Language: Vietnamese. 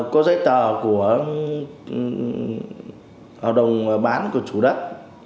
có giấy tờ của hoạt động bán của chủ đất